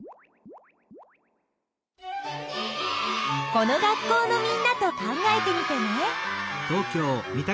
この学校のみんなと考えてみてね。